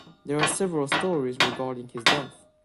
There are several stories regarding his death.